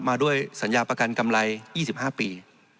มาด้วยสัญญาประกันกำไร๒๕ปี